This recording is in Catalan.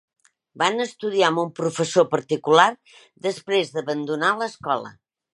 Van estudiar amb un professor particular després d'abandonar l'escola.